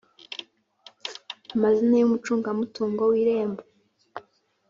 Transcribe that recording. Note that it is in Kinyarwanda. amazina y umucungamutungo wirembo